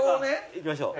いきましょう。